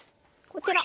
こちら。